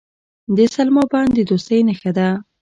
د سلما بند د دوستۍ نښه ده.